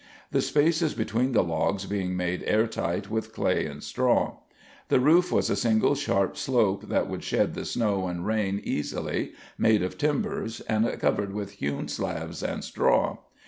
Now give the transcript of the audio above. The spaces between the logs being made airtight with clay and straw. The roof was a single sharp slope that would shed the snow and rain easily, made of timbers and covered with hewn slabs and straw.